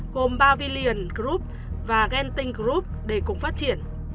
gồm pavilion group và genting group để cùng phát triển